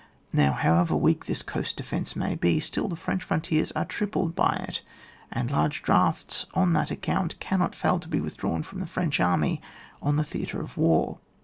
Now, however weak this coast defence may be, still the French frontiers are tripled by it ; and large drafts, on that account, cannot fail to be withdrawn from the French army on the theatre of war.